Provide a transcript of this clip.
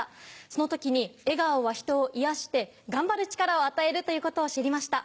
その時に笑顔は人を癒やして頑張る力を与えるということを知りました。